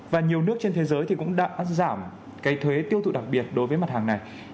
và nhiều nước trên thế giới thì cũng đã giảm cái thuế tiêu thụ đặc biệt đối với mặt hàng này